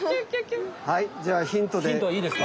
はいじゃあヒントです。